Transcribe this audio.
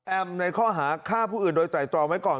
ในข้อหาฆ่าผู้อื่นโดยไตรตรองไว้ก่อน